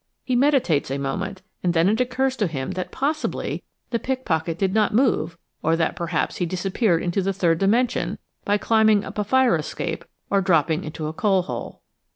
He meditates a moment and then it occurs to him that possibly the pickpocket did not move or that perhaps he disappeared into the third dimension by climbing up a fire escape or dropping into a coal hole.